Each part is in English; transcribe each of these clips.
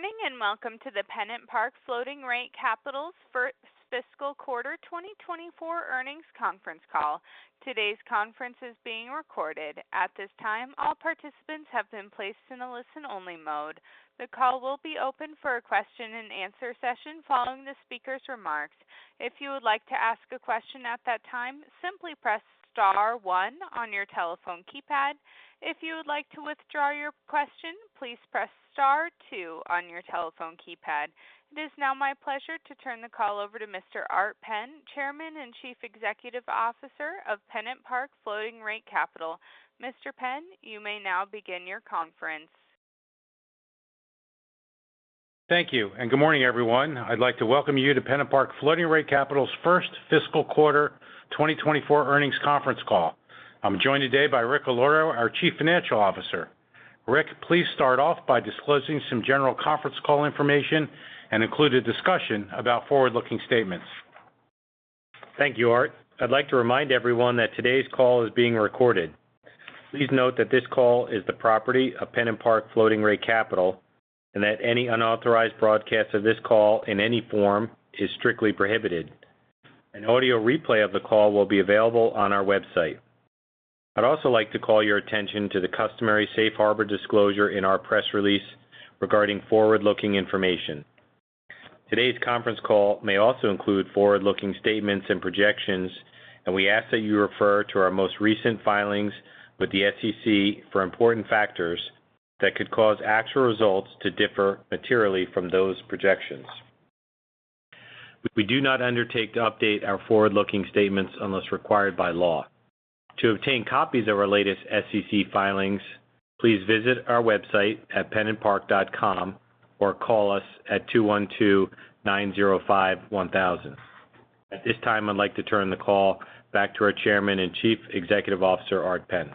Good morning, and welcome to the PennantPark Floating Rate Capital's First Fiscal Quarter 2024 Earnings Conference Call. Today's conference is being recorded. At this time, all participants have been placed in a listen-only mode. The call will be open for a question-and-answer session following the speaker's remarks. If you would like to ask a question at that time, simply press star one on your telephone keypad. If you would like to withdraw your question, please press star two on your telephone keypad. It is now my pleasure to turn the call over to Mr. Art Penn, Chairman and Chief Executive Officer of PennantPark Floating Rate Capital. Mr. Penn, you may now begin your conference. Thank you, and good morning, everyone. I'd like to welcome you to PennantPark Floating Rate Capital's First Fiscal Quarter 2024 earnings conference call. I'm joined today by Rick Allorto, our Chief Financial Officer. Rick, please start off by disclosing some general conference call information and include a discussion about forward-looking statements. Thank you, Art. I'd like to remind everyone that today's call is being recorded. Please note that this call is the property of PennantPark Floating Rate Capital and that any unauthorized broadcast of this call in any form is strictly prohibited. An audio replay of the call will be available on our website. I'd also like to call your attention to the customary safe harbor disclosure in our press release regarding forward-looking information. Today's conference call may also include forward-looking statements and projections, and we ask that you refer to our most recent filings with the SEC for important factors that could cause actual results to differ materially from those projections. We do not undertake to update our forward-looking statements unless required by law. To obtain copies of our latest SEC filings, please visit our website at pennantpark.com or call us at 212-905-1000. At this time, I'd like to turn the call back to our Chairman and Chief Executive Officer, Art Penn.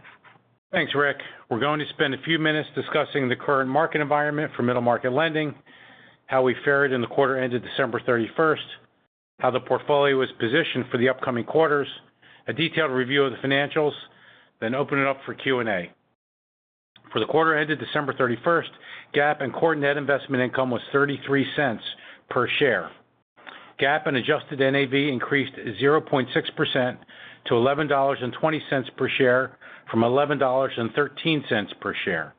Thanks, Rick. We're going to spend a few minutes discussing the current market environment for middle-market lending, how we fared in the quarter ended December 31, how the portfolio is positioned for the upcoming quarters, a detailed review of the financials, then open it up for Q&A. For the quarter ended December 31, GAAP and core net investment income was $0.33 per share. GAAP and adjusted NAV increased 0.6% to $11.20 per share from $11.13 per share.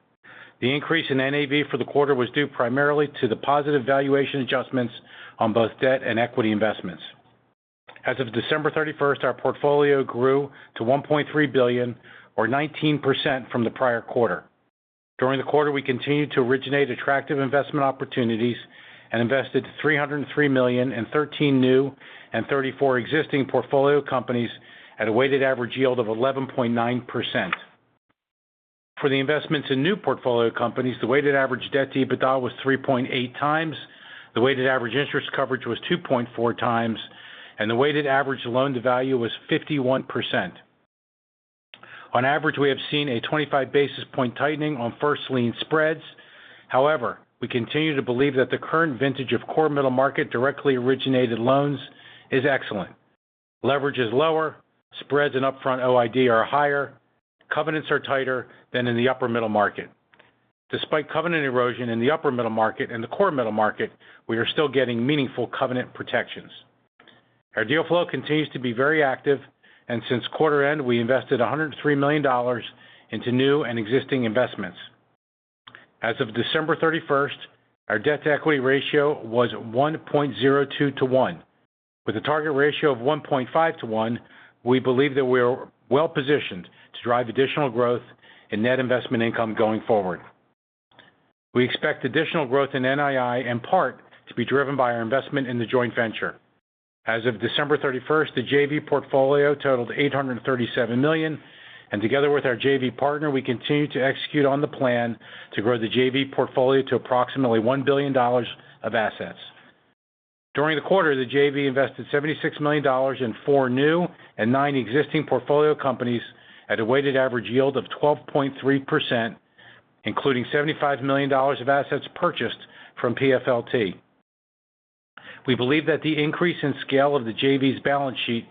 The increase in NAV for the quarter was due primarily to the positive valuation adjustments on both debt and equity investments. As of December 31, our portfolio grew to $1.3 billion or 19% from the prior quarter. During the quarter, we continued to originate attractive investment opportunities and invested $303 million in 13 new and 34 existing portfolio companies at a weighted average yield of 11.9%. For the investments in new portfolio companies, the weighted average debt-to-EBITDA was 3.8 times, the weighted average interest coverage was 2.4 times, and the weighted average loan to value was 51%. On average, we have seen a 25 basis point tightening on first lien spreads. However, we continue to believe that the current vintage of core middle market directly originated loans is excellent. Leverage is lower, spreads and upfront OID are higher, covenants are tighter than in the upper middle market. Despite covenant erosion in the upper middle market and the core middle market, we are still getting meaningful covenant protections. Our deal flow continues to be very active, and since quarter end, we invested $103 million into new and existing investments. As of December thirty-first, our debt-to-equity ratio was 1.02 to 1. With a target ratio of 1.5 to 1, we believe that we are well-positioned to drive additional growth in net investment income going forward. We expect additional growth in NII in part to be driven by our investment in the joint venture. As of December thirty-first, the JV portfolio totaled $837 million, and together with our JV partner, we continue to execute on the plan to grow the JV portfolio to approximately $1 billion of assets. During the quarter, the JV invested $76 million in 4 new and 9 existing portfolio companies at a weighted average yield of 12.3%, including $75 million of assets purchased from PFLT. We believe that the increase in scale of the JV's balance sheet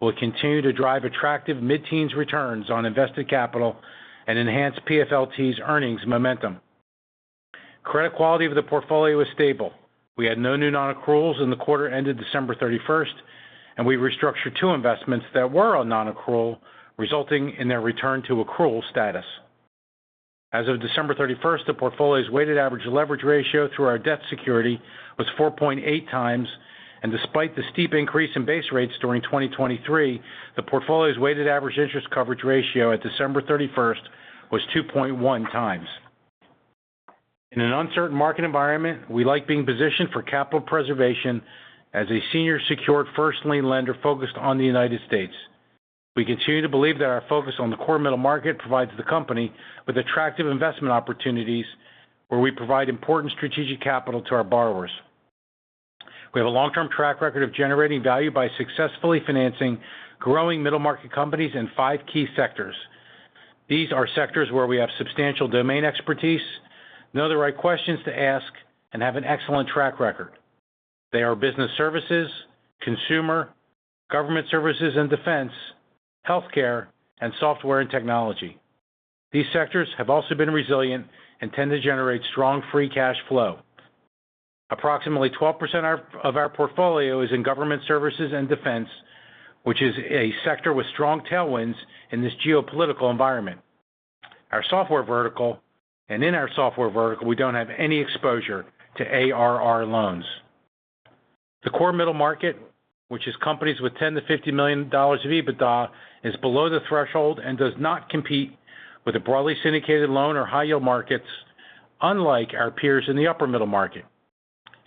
will continue to drive attractive mid-teens returns on invested capital and enhance PFLT's earnings momentum. Credit quality of the portfolio is stable. We had no new non-accruals in the quarter ended December 31, and we restructured 2 investments that were on non-accrual, resulting in their return to accrual status. As of December 31, the portfolio's weighted average leverage ratio through our debt security was 4.8x, and despite the steep increase in base rates during 2023, the portfolio's weighted average interest coverage ratio at December 31 was 2.1x. In an uncertain market environment, we like being positioned for capital preservation as a senior secured first lien lender focused on the United States. We continue to believe that our focus on the core middle market provides the company with attractive investment opportunities where we provide important strategic capital to our borrowers. We have a long-term track record of generating value by successfully financing growing middle-market companies in five key sectors. These are sectors where we have substantial domain expertise, know the right questions to ask, and have an excellent track record.... They are business services, consumer, government services and defense, healthcare, and software and technology. These sectors have also been resilient and tend to generate strong free cash flow. Approximately 12% of our portfolio is in government services and defense, which is a sector with strong tailwinds in this geopolitical environment. Our software vertical. In our software vertical, we don't have any exposure to ARR loans. The core middle market, which is companies with $10 to $50 million of EBITDA, is below the threshold and does not compete with the broadly syndicated loan or high-yield markets, unlike our peers in the upper middle market.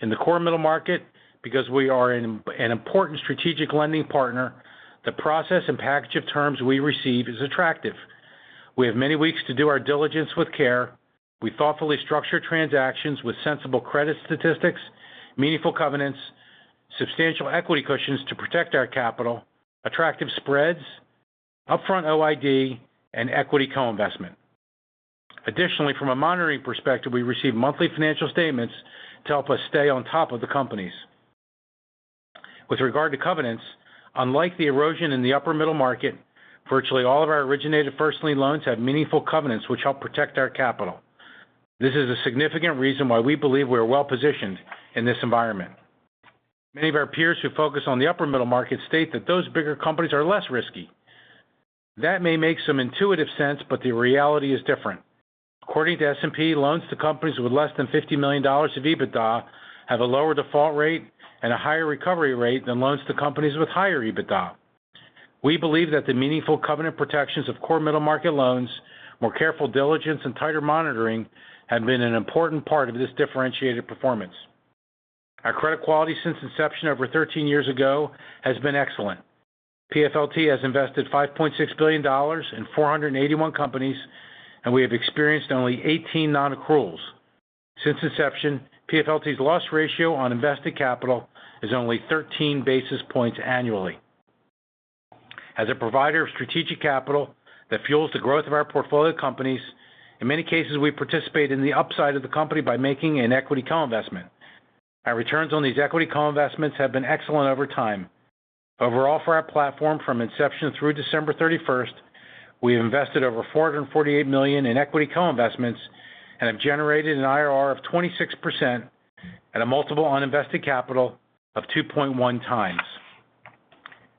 In the core middle market, because we are an important strategic lending partner, the process and package of terms we receive is attractive. We have many weeks to do our diligence with care. We thoughtfully structure transactions with sensible credit statistics, meaningful covenants, substantial equity cushions to protect our capital, attractive spreads, upfront OID, and equity co-investment. Additionally, from a monitoring perspective, we receive monthly financial statements to help us stay on top of the companies. With regard to covenants, unlike the erosion in the upper middle market, virtually all of our originated first lien loans have meaningful covenants, which help protect our capital. This is a significant reason why we believe we are well-positioned in this environment. Many of our peers who focus on the upper middle market state that those bigger companies are less risky. That may make some intuitive sense, but the reality is different. According to S&P, loans to companies with less than $50 million of EBITDA have a lower default rate and a higher recovery rate than loans to companies with higher EBITDA. We believe that the meaningful covenant protections of core middle market loans, more careful diligence, and tighter monitoring have been an important part of this differentiated performance. Our credit quality since inception over 13 years ago has been excellent. PFLT has invested $5.6 billion in 481 companies, and we have experienced only 18 non-accruals. Since inception, PFLT's loss ratio on invested capital is only 13 basis points annually. As a provider of strategic capital that fuels the growth of our portfolio companies, in many cases, we participate in the upside of the company by making an equity co-investment. Our returns on these equity co-investments have been excellent over time. Overall, for our platform, from inception through December 31, we have invested over $448 million in equity co-investments and have generated an IRR of 26% and a multiple on invested capital of 2.1x.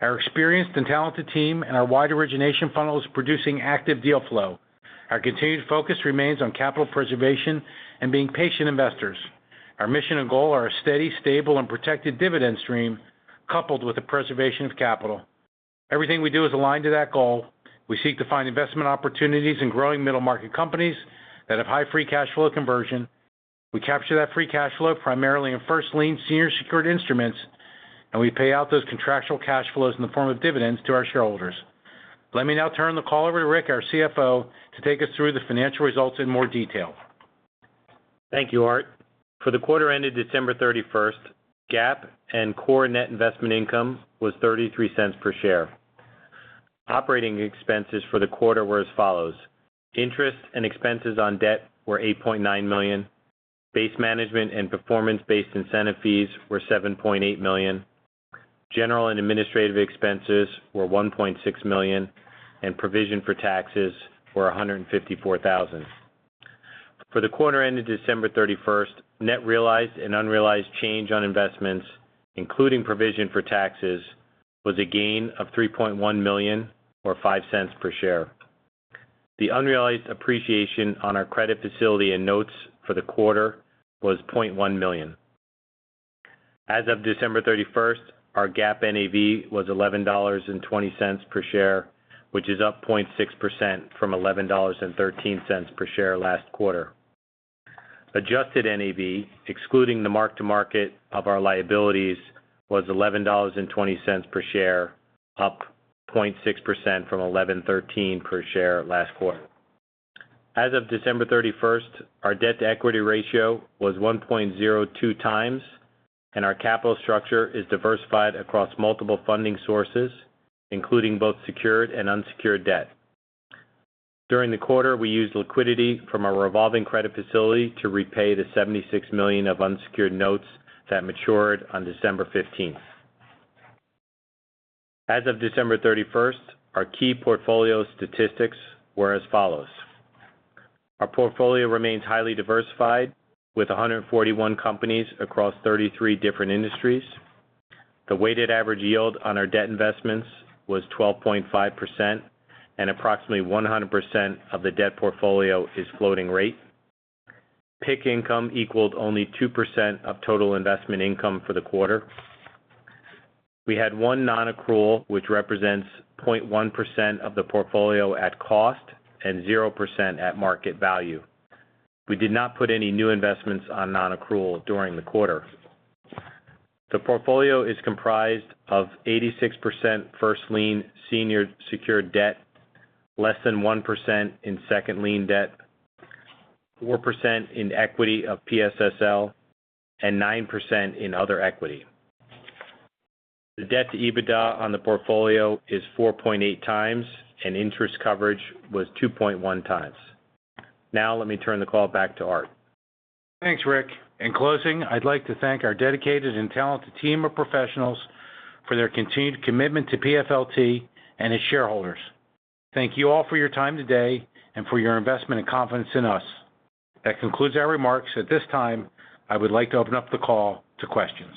Our experienced and talented team and our wide origination funnel is producing active deal flow. Our continued focus remains on capital preservation and being patient investors. Our mission and goal are a steady, stable, and protected dividend stream, coupled with the preservation of capital. Everything we do is aligned to that goal. We seek to find investment opportunities in growing middle-market companies that have high free cash flow conversion. We capture that free cash flow primarily in first lien senior secured instruments, and we pay out those contractual cash flows in the form of dividends to our shareholders. Let me now turn the call over to Rick, our CFO, to take us through the financial results in more detail. Thank you, Art. For the quarter ended December 31, GAAP and core net investment income was $0.33 per share. Operating expenses for the quarter were as follows: interest and expenses on debt were $8.9 million, base management and performance-based incentive fees were $7.8 million, general and administrative expenses were $1.6 million, and provision for taxes were $154,000. For the quarter ended December 31, net realized and unrealized change on investments, including provision for taxes, was a gain of $3.1 million or $0.05 per share. The unrealized appreciation on our credit facility and notes for the quarter was $0.1 million. As of December 31, our GAAP NAV was $11.20 per share, which is up 0.6% from $11.13 per share last quarter. Adjusted NAV, excluding the mark-to-market of our liabilities, was $11.20 per share, up 0.6% from $11.13 per share last quarter. As of December 31, our debt-to-equity ratio was 1.02x, and our capital structure is diversified across multiple funding sources, including both secured and unsecured debt. During the quarter, we used liquidity from our revolving credit facility to repay the $76 million of unsecured notes that matured on December 15. As of December 31, our key portfolio statistics were as follows: Our portfolio remains highly diversified, with 141 companies across 33 different industries. The weighted average yield on our debt investments was 12.5%, and approximately 100% of the debt portfolio is floating rate. PIK income equaled only 2% of total investment income for the quarter. We had one non-accrual, which represents 0.1% of the portfolio at cost and 0% at market value. We did not put any new investments on non-accrual during the quarter. The portfolio is comprised of 86% first lien senior secured debt, less than 1% in second lien debt, 4% in equity of PSSL, and 9% in other equity.... The debt to EBITDA on the portfolio is 4.8x, and interest coverage was 2.1x. Now, let me turn the call back to Art. Thanks, Rick. In closing, I'd like to thank our dedicated and talented team of professionals for their continued commitment to PFLT and its shareholders. Thank you all for your time today and for your investment and confidence in us. That concludes our remarks. At this time, I would like to open up the call to questions.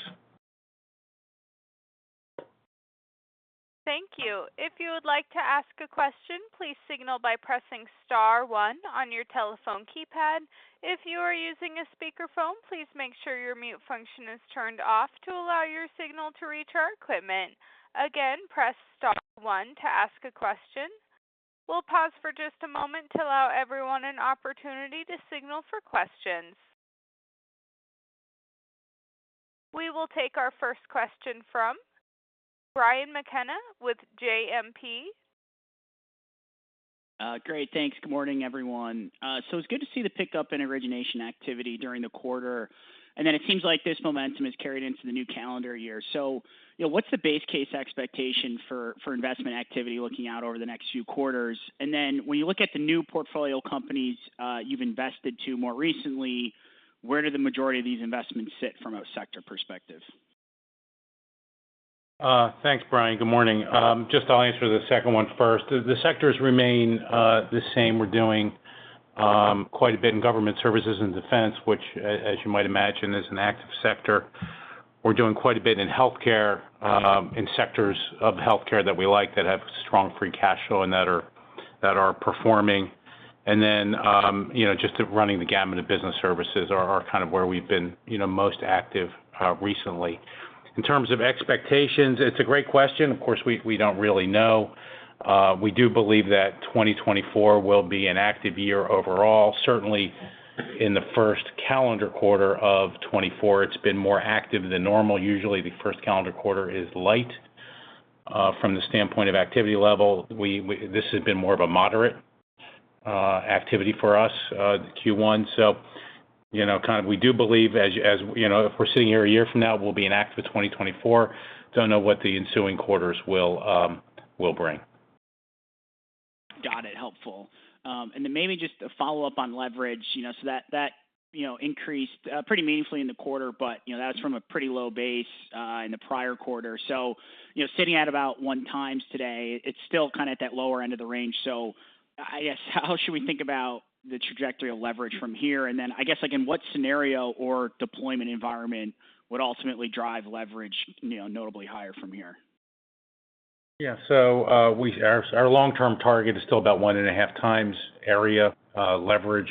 Thank you. If you would like to ask a question, please signal by pressing star one on your telephone keypad. If you are using a speakerphone, please make sure your mute function is turned off to allow your signal to reach our equipment. Again, press star one to ask a question. We'll pause for just a moment to allow everyone an opportunity to signal for questions. We will take our first question from Brian McKenna with JMP. Great, thanks. Good morning, everyone. So, it's good to see the pickup in origination activity during the quarter, and then it seems like this momentum is carried into the new calendar year. So, you know, what's the base case expectation for investment activity looking out over the next few quarters? And then when you look at the new portfolio companies you've invested in more recently, where do the majority of these investments sit from a sector perspective? Thanks, Brian. Good morning. Just, I'll answer the second one first. The sectors remain the same. We're doing quite a bit in government services and defense, which, as you might imagine, is an active sector. We're doing quite a bit in healthcare in sectors of healthcare that we like, that have strong free cash flow and that are performing. And then, you know, just running the gamut of business services are kind of where we've been, you know, most active recently. In terms of expectations, it's a great question. Of course, we don't really know. We do believe that 2024 will be an active year overall. Certainly, in the first calendar quarter of 2024, it's been more active than normal. Usually, the first calendar quarter is light from the standpoint of activity level. This has been more of a moderate activity for us, the Q1. So, you know, kind of we do believe, as you know, if we're sitting here a year from now, we'll be in active 2024. Don't know what the ensuing quarters will bring. Got it. Helpful. And then maybe just a follow-up on leverage, you know, so that increased pretty meaningfully in the quarter, but, you know, that's from a pretty low base in the prior quarter. So, you know, sitting at about 1 times today, it's still kind of at that lower end of the range. So I guess, how should we think about the trajectory of leverage from here? And then, I guess, again, what scenario or deployment environment would ultimately drive leverage, you know, notably higher from here? Yeah. So, our long-term target is still about 1.5x area, leverage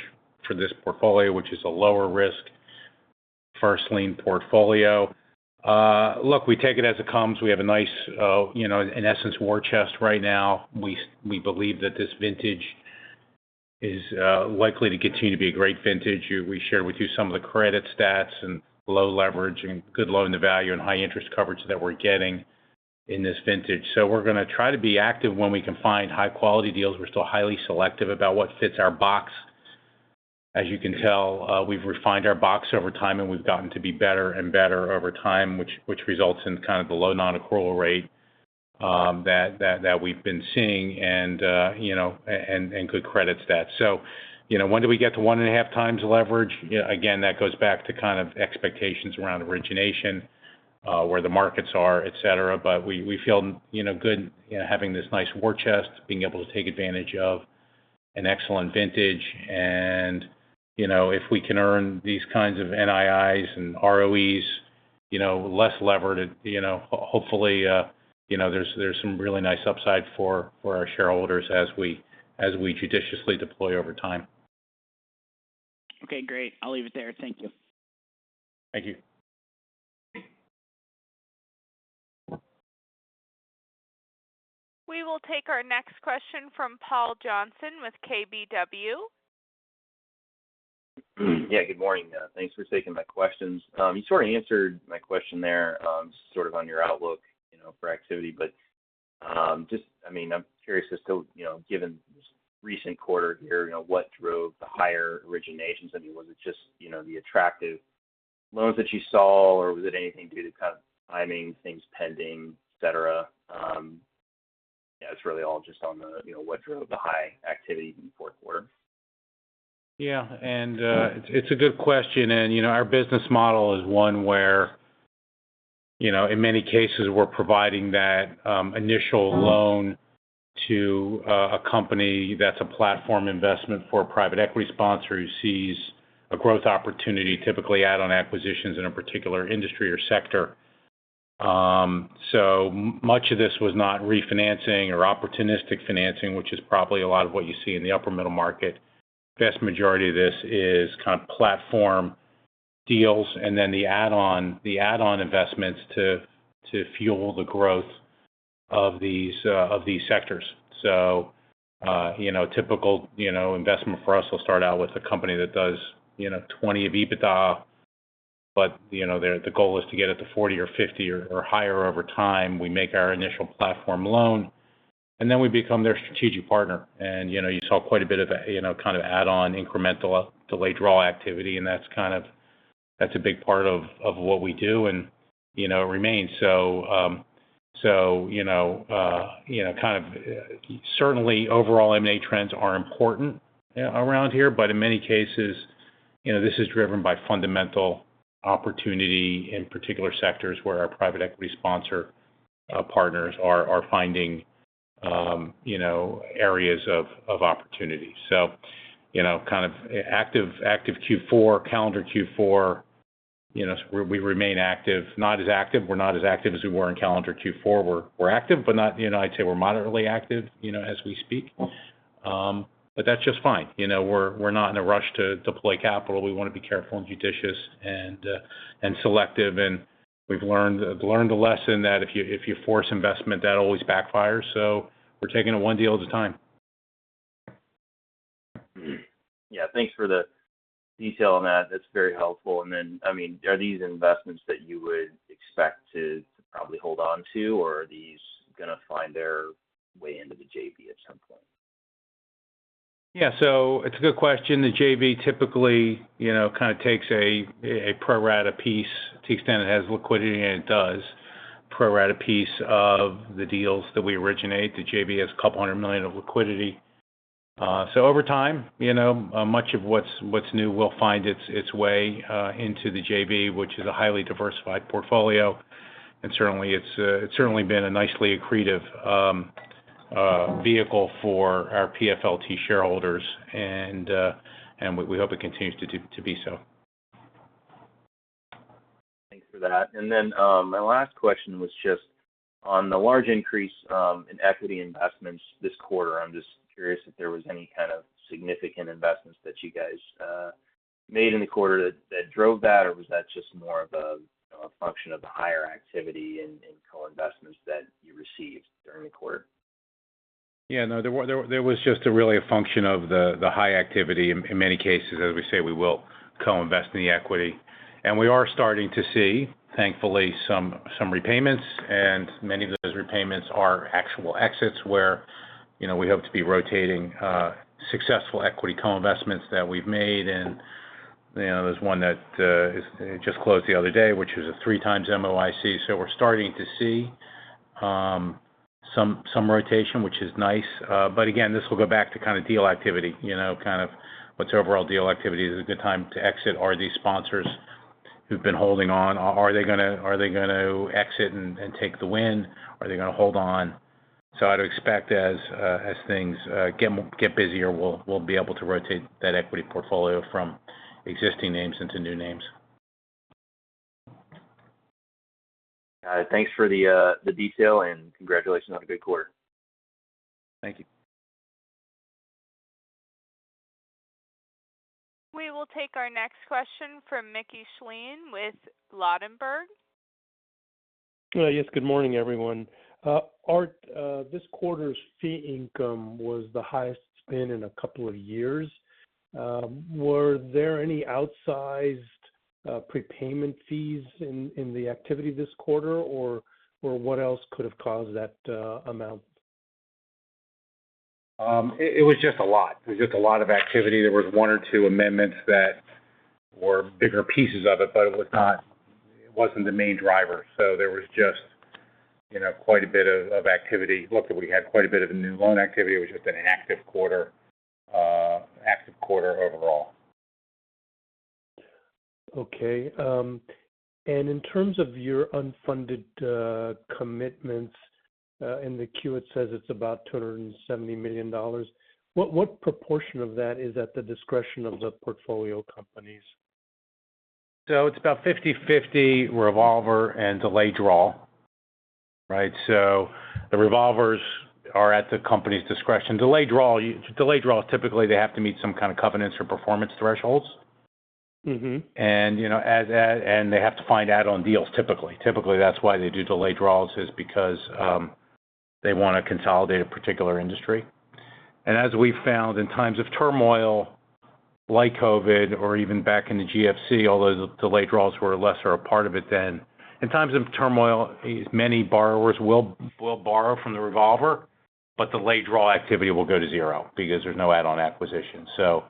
for this portfolio, which is a lower risk first lien portfolio. Look, we take it as it comes. We have a nice, you know, in essence, war chest right now. We believe that this vintage is likely to continue to be a great vintage. We shared with you some of the credit stats and low leverage and good loan-to-value and high interest coverage that we're getting in this vintage. So we're going to try to be active when we can find high-quality deals. We're still highly selective about what fits our box. As you can tell, we've refined our box over time, and we've gotten to be better and better over time, which results in kind of the low non-accrual rate that we've been seeing and, you know, and good credit stat. So, you know, when do we get to 1.5x leverage? Yeah, again, that goes back to kind of expectations around origination, where the markets are, et cetera. But we feel, you know, good, you know, having this nice war chest, being able to take advantage of an excellent vintage. And, you know, if we can earn these kinds of NIIs and ROEs, you know, less levered, you know, hopefully, you know, there's some really nice upside for our shareholders as we judiciously deploy over time. Okay, great. I'll leave it there. Thank you. Thank you. We will take our next question from Paul Johnson with KBW. Yeah, good morning. Thanks for taking my questions. You sort of answered my question there, sort of on your outlook, you know, for activity. But, just I mean, I'm curious as to, you know, given this recent quarter here, you know, what drove the higher originations? I mean, was it just, you know, the attractive loans that you saw, or was it anything to do with kind of timing, things pending, et cetera? Yeah, it's really all just on the, you know, what drove the high activity in the Q4. Yeah, and it's a good question. And, you know, our business model is one where, you know, in many cases, we're providing that initial loan to a company that's a platform investment for a private equity sponsor who sees a growth opportunity, typically add on acquisitions in a particular industry or sector. So much of this was not refinancing or opportunistic financing, which is probably a lot of what you see in the upper middle market. Vast majority of this is kind of platform deals and then the add-on, the add-on investments to fuel the growth of these sectors. So, you know, typical investment for us will start out with a company that does, you know, $20 million of EBITDA, but, you know, the goal is to get it to $40 million or $50 million or higher over time. We make our initial platform loan. Then we become their strategic partner. And, you know, you saw quite a bit of a, you know, kind of add-on incremental delayed draw activity, and that's kind of, that's a big part of what we do and, you know, remains. So, you know, you know, kind of certainly overall M&A trends are important around here, but in many cases, you know, this is driven by fundamental opportunity in particular sectors where our private equity sponsor partners are finding you know, areas of opportunity. So, you know, kind of active, active Q4, calendar Q4, you know, we, we remain active. Not as active, we're not as active as we were in calendar Q4. We're, we're active, but not, you know, I'd say we're moderately active, you know, as we speak. But that's just fine. You know, we're not in a rush to deploy capital. We wanna be careful and judicious and selective, and we've learned a lesson that if you force investment, that always backfires, so we're taking it one deal at a time. Yeah, thanks for the detail on that. That's very helpful. And then, I mean, are these investments that you would expect to probably hold on to, or are these gonna find their way into the JV at some point? Yeah. So it's a good question. The JV typically, you know, kind of takes a pro rata piece to the extent it has liquidity, and it does, pro rata piece of the deals that we originate. The JV has $200 million of liquidity. So over time, you know, much of what's new will find its way into the JV, which is a highly diversified portfolio. And certainly, it's certainly been a nicely accretive vehicle for our PFLT shareholders, and we hope it continues to be so. Thanks for that. And then, my last question was just on the large increase in equity investments this quarter. I'm just curious if there was any kind of significant investments that you guys made in the quarter that drove that, or was that just more of a function of the higher activity in co-investments that you received during the quarter? Yeah, no, there was just really a function of the high activity in many cases. As we say, we will co-invest in the equity. And we are starting to see, thankfully, some repayments, and many of those repayments are actual exits where, you know, we hope to be rotating successful equity co-investments that we've made. And, you know, there's one that is. It just closed the other day, which is a 3x MOIC. So we're starting to see some rotation, which is nice. But again, this will go back to kind of deal activity. You know, kind of what's overall deal activity? Is it a good time to exit? Are these sponsors who've been holding on gonna exit and take the win, or are they gonna hold on? So I'd expect as things get busier, we'll be able to rotate that equity portfolio from existing names into new names. Thanks for the detail, and congratulations on a good quarter. Thank you. We will take our next question from Mickey Schleien with Ladenburg. Yes, good morning, everyone. Art, this quarter's fee income was the highest it's been in a couple of years. Were there any outsized prepayment fees in the activity this quarter, or what else could have caused that amount? It was just a lot. It was just a lot of activity. There was one or two amendments that were bigger pieces of it, but it was not, it wasn't the main driver. So there was just, you know, quite a bit of activity. Luckily, we had quite a bit of a new loan activity, which was an active quarter, active quarter overall. Okay. And in terms of your unfunded commitments in the queue, it says it's about $270 million. What, what proportion of that is at the discretion of the portfolio companies? So it's about 50/50 revolver and delayed draw, right? So the revolvers are at the company's discretion. Delayed draw, delayed draw, typically, they have to meet some kind of covenants or performance thresholds. Mm-hmm. You know, as they have to find add-on deals, typically. Typically, that's why they do delayed draws, is because they want to consolidate a particular industry. And as we found in times of turmoil, like COVID or even back in the GFC, although the delayed draws were less or a part of it then, in times of turmoil, many borrowers will borrow from the revolver, but the delayed draw activity will go to zero because there's no add-on acquisition. So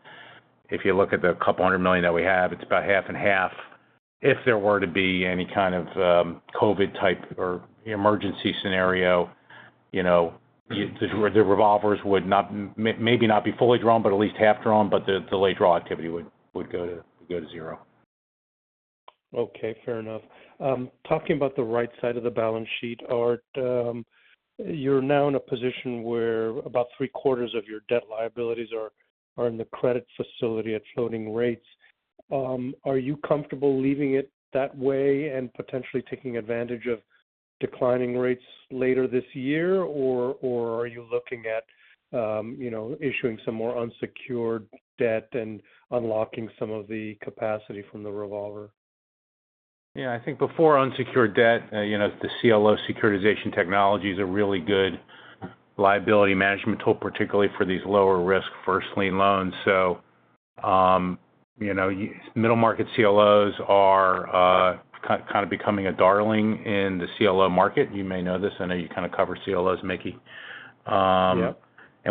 if you look at the $200 million that we have, it's about half and half. If there were to be any kind of COVID type or emergency scenario, you know, the revolvers would maybe not be fully drawn, but at least half drawn, but the delayed draw activity would go to zero. Okay, fair enough. Talking about the right side of the balance sheet, Art, you're now in a position where about three-quarters of your debt liabilities are in the credit facility at floating rates. Are you comfortable leaving it that way and potentially taking advantage of declining rates later this year, or are you looking at, you know, issuing some more unsecured debt and unlocking some of the capacity from the revolver? Yeah, I think before unsecured debt, you know, the CLO securitization technology is a really good liability management tool, particularly for these lower-risk first lien loans. You know, middle market CLOs are kind of becoming a darling in the CLO market. You may know this. I know you kind of cover CLOs, Mickey. Yep.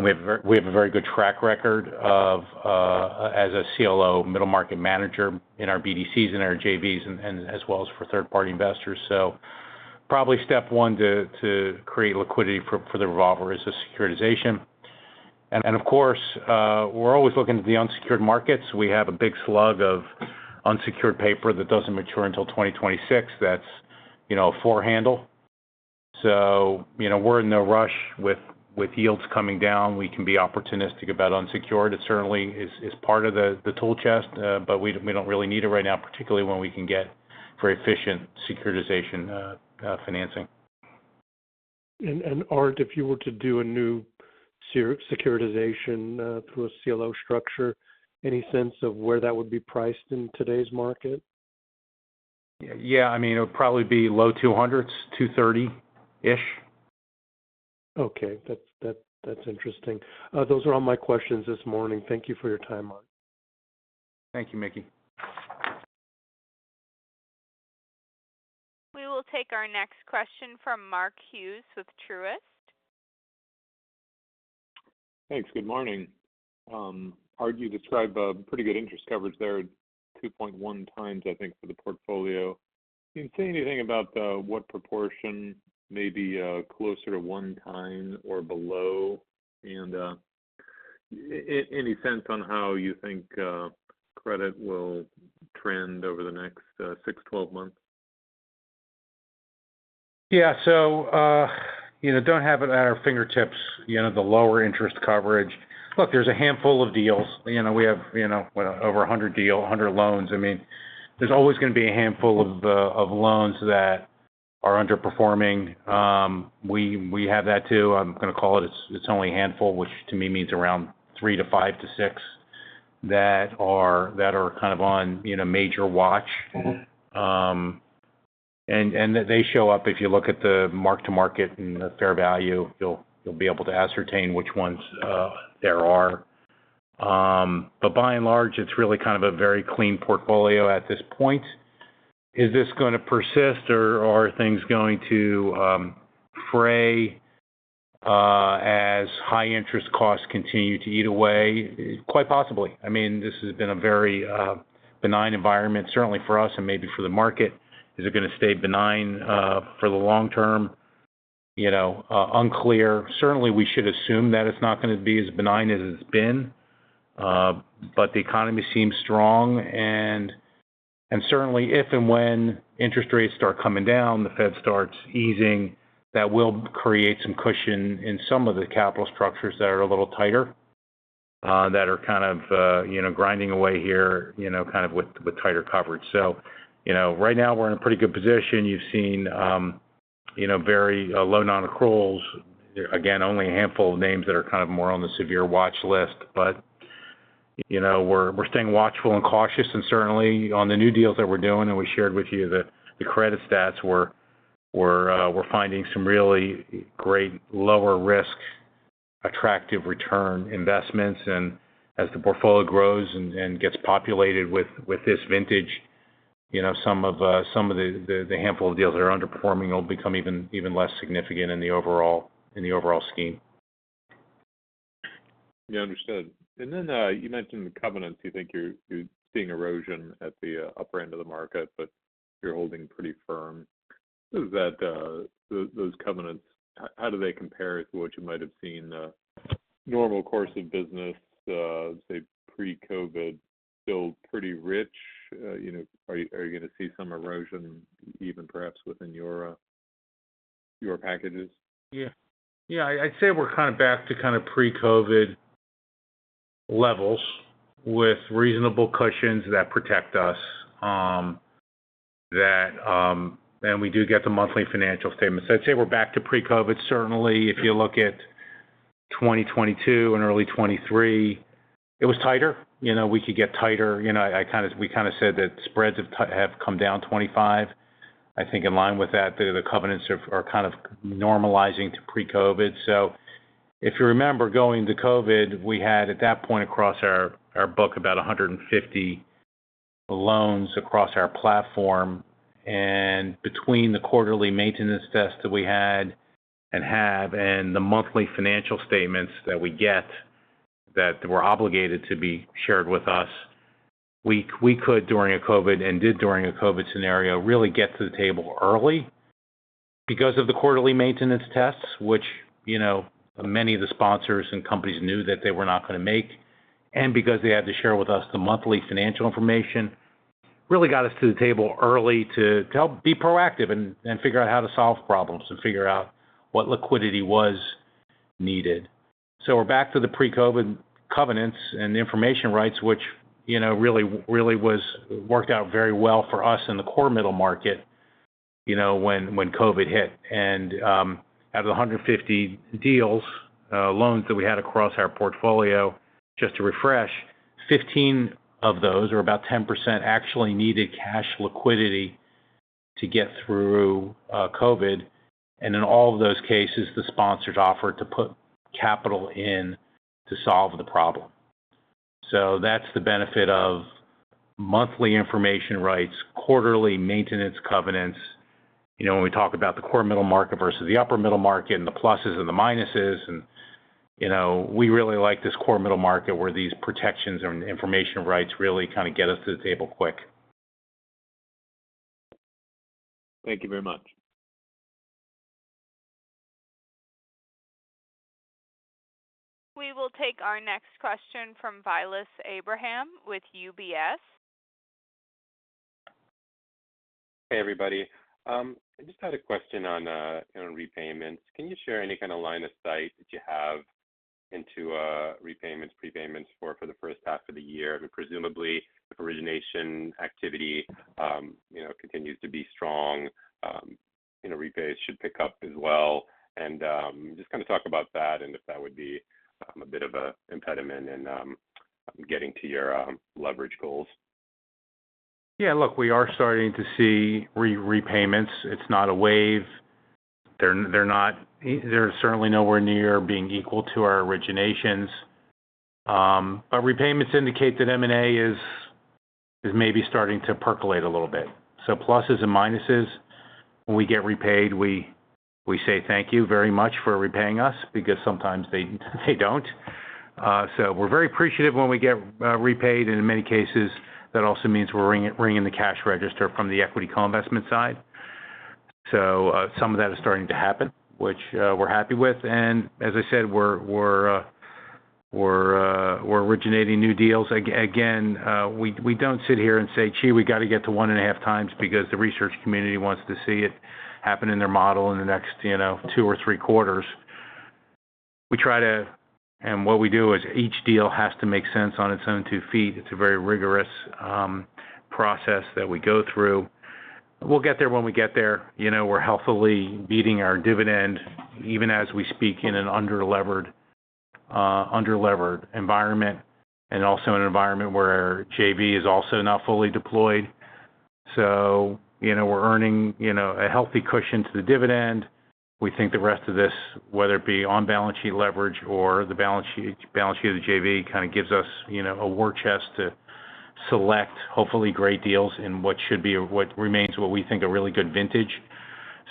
We have a very good track record as a CLO middle market manager in our BDCs and our JVs and as well as for third-party investors. So probably step one to create liquidity for the revolver is the securitization. And of course, we're always looking at the unsecured markets. We have a big slug of unsecured paper that doesn't mature until 2026. That's, you know, four handle. So, you know, we're in no rush with yields coming down. We can be opportunistic about unsecured. It certainly is part of the tool chest, but we don't really need it right now, particularly when we can get very efficient securitization financing. And Art, if you were to do a new securitization through a CLO structure, any sense of where that would be priced in today's market? Yeah. I mean, it would probably be low $200s, $230-ish. Okay. That's, that's, that's interesting. Those are all my questions this morning. Thank you for your time, Art. Thank you, Mickey. We will take our next question from Mark Hughes with Truist. Thanks. Good morning. Art, you described a pretty good interest coverage there, 2.1x, I think, for the portfolio. Can you say anything about what proportion may be closer to one time or below? And any sense on how you think credit will trend over the next six, 12 months? Yeah. So, you know, don't have it at our fingertips, you know, the lower interest coverage. Look, there's a handful of deals. You know, we have, you know, what, over 100 deals, 100 loans. I mean, there's always going to be a handful of loans that are underperforming. We have that too. I'm going to call it. It's only a handful, which to me means around three to five to six, that are kind of on, you know, major watch. Mm-hmm. They show up if you look at the mark to market and the fair value, you'll be able to ascertain which ones there are. But by and large, it's really kind of a very clean portfolio at this point. Is this going to persist or are things going to fray as high interest costs continue to eat away? Quite possibly. I mean, this has been a very benign environment, certainly for us and maybe for the market. Is it going to stay benign for the long term? You know, unclear. Certainly, we should assume that it's not going to be as benign as it's been, but the economy seems strong and certainly if and when interest rates start coming down, the Fed starts easing, that will create some cushion in some of the capital structures that are a little tighter, that are kind of, you know, grinding away here, you know, kind of with tighter coverage. So, you know, right now we're in a pretty good position. You've seen, you know, very low non-accruals. Again, only a handful of names that are kind of more on the severe watch list. But, you know, we're staying watchful and cautious, and certainly on the new deals that we're doing, and we shared with you the credit stats, we're finding some really great lower risk, attractive return investments. As the portfolio grows and gets populated with this vintage, you know, some of the handful of deals that are underperforming will become even less significant in the overall scheme. Yeah, understood. And then, you mentioned the covenants. You think you're seeing erosion at the upper end of the market, but you're holding pretty firm. Is that... Those covenants, how do they compare to what you might have seen, normal course of business, say, pre-COVID, still pretty rich? You know, are you going to see some erosion even perhaps within your packages? Yeah. Yeah, I'd say we're kind of back to kind of pre-COVID levels with reasonable cushions that protect us, and we do get the monthly financial statements. I'd say we're back to pre-COVID. Certainly, if you look at 2022 and early 2023, it was tighter. You know, we could get tighter. You know, I kind of we kind of said that spreads have come down 25. I think in line with that, the covenants are kind of normalizing to pre-COVID. So if you remember, going to COVID, we had, at that point across our book, about 150 loans across our platform. Between the quarterly maintenance tests that we had and have, and the monthly financial statements that we get that were obligated to be shared with us, we could, during a COVID, and did during a COVID scenario, really get to the table early because of the quarterly maintenance tests, which, you know, many of the sponsors and companies knew that they were not going to make, and because they had to share with us the monthly financial information, really got us to the table early to help be proactive and figure out how to solve problems and figure out what liquidity was needed. So we're back to the pre-COVID covenants and the information rights, which, you know, really really worked out very well for us in the core middle market, you know, when COVID hit. Out of the 150 deals, loans that we had across our portfolio, just to refresh, 15 of those, or about 10%, actually needed cash liquidity to get through COVID. In all of those cases, the sponsors offered to put capital in to solve the problem. That's the benefit of monthly information rights, quarterly maintenance covenants. You know, when we talk about the core middle market versus the upper middle market and the pluses and the minuses, and, you know, we really like this core middle market, where these protections and information rights really kind of get us to the table quick. Thank you very much. We will take our next question from Vilas Abraham with UBS. Hey, everybody. I just had a question on repayments. Can you share any kind of line of sight that you have into repayments, prepayments for the first half of the year? But presumably, if origination activity, you know, continues to be strong, you know, repays should pick up as well. And just kind of talk about that and if that would be a bit of a impediment in getting to your leverage goals. Yeah, look, we are starting to see repayments. It's not a wave. They're not. They're certainly nowhere near being equal to our originations. But repayments indicate that M&A is maybe starting to percolate a little bit. So pluses and minuses. When we get repaid, we say thank you very much for repaying us, because sometimes they don't. So we're very appreciative when we get repaid, and in many cases, that also means we're ringing the cash register from the equity co-investment side. So some of that is starting to happen, which we're happy with. And as I said, we're originating new deals. Again, we don't sit here and say, "Gee, we got to get to 1.5x because the research community wants to see it happen in their model in the next, you know, two or three quarters." We try to... And what we do is each deal has to make sense on its own two feet. It's a very rigorous process that we go through. We'll get there when we get there. You know, we're healthily beating our dividend, even as we speak in an under-levered environment, and also in an environment where JV is also not fully deployed. So, you know, we're earning, you know, a healthy cushion to the dividend. We think the rest of this, whether it be on balance sheet leverage or the balance sheet of the JV, kind of gives us, you know, a war chest to select hopefully great deals in what should be, or what remains, what we think a really good vintage.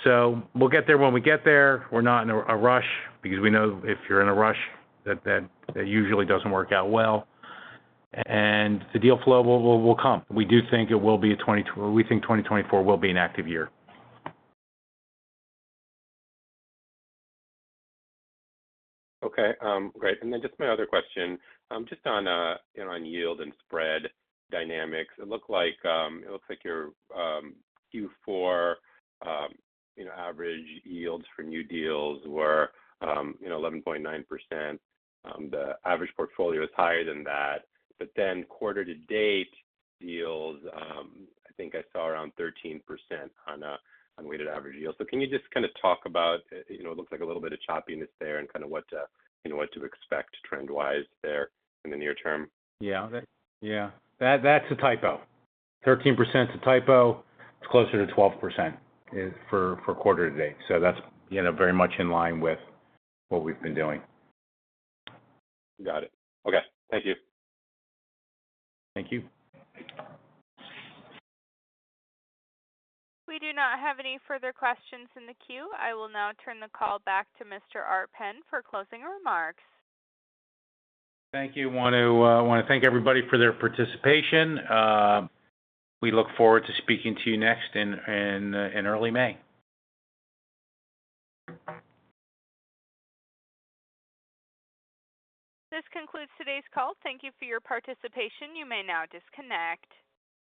So we'll get there when we get there. We're not in a rush because we know if you're in a rush, that usually doesn't work out well, and the deal flow will come. We do think it will be a—we think 2024 will be an active year. Okay, great. And then just my other question, just on, you know, on yield and spread dynamics. It looked like, it looks like your, Q4, you know, average yields for new deals were, you know, 11.9%. The average portfolio is higher than that, but then quarter to date yields, I think I saw around 13% on, on weighted average yield. So can you just kind of talk about, you know, it looks like a little bit of choppiness there and kind of what, you know, what to expect trend-wise there in the near term? Yeah. Yeah, that, that's a typo. 13% is a typo. It's closer to 12% for quarter to date. So that's, you know, very much in line with what we've been doing. Got it. Okay. Thank you. Thank you. We do not have any further questions in the queue. I will now turn the call back to Mr. Art Penn for closing remarks. Thank you. I want to thank everybody for their participation. We look forward to speaking to you next in early May. This concludes today's call. Thank you for your participation. You may now disconnect.